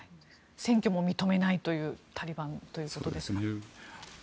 選挙も認めないタリバンということですが。